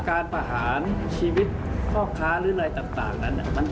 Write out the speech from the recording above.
การประหารชีวิตพ่อค้าหรืออะไรต่างนั้น